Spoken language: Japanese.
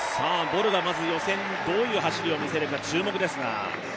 ボルが、まず予選、どういう走りを見せるのか注目ですが。